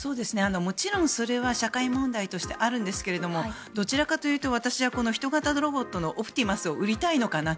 もちろんそれは社会問題としてあるんですけどどちらかというと私はこの人型ロボットのオプティマスを売りたいのかな。